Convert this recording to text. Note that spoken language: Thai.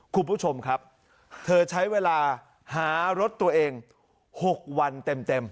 คุณผู้ชมครับเธอใช้เวลาหารถตัวเอง๖วันเต็ม